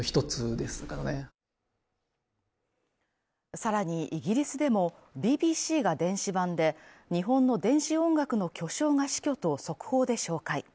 さらにイギリスでも、ＢＢＣが電子版で、日本の電子音楽の巨匠が死去と速報で紹介。